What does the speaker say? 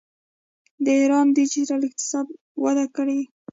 د ایران ډیجیټل اقتصاد وده کړې.